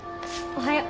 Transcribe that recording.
おはよう。